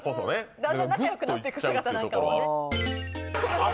だんだん仲よくなっていく姿とかね。